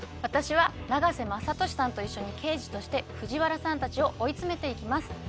私は永瀬正敏さんと一緒に刑事として藤原さんたちを追い詰めて行きます。